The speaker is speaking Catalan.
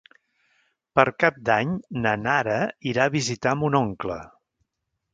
Per Cap d'Any na Nara irà a visitar mon oncle.